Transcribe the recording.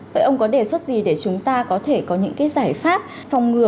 vậy ông có đề xuất gì để chúng ta có thể có những cái giải pháp phòng ngừa